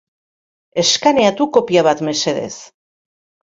Eskaneatu kopia bat, mesedez.